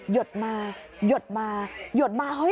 หยดมาหยดมาหยดมา